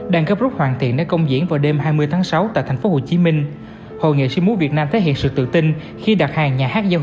đang gấp rút hoàn thiện đến công diễn vào đêm hai tháng bảy